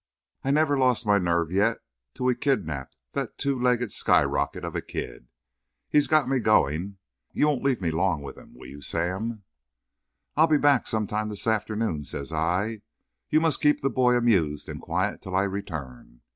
I never lost my nerve yet till we kidnapped that two legged skyrocket of a kid. He's got me going. You won't leave me long with him, will you, Sam?" "I'll be back some time this afternoon," says I. "You must keep the boy amused and quiet till I return.